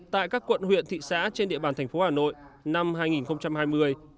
tại các quận huyện thị xã trên địa bàn tp hà nội năm hai nghìn hai mươi